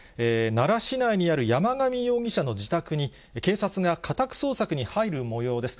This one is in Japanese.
奈良市内にある山上容疑者の自宅に、警察が家宅捜索に入るもようです。